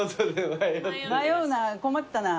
迷うな困ったな。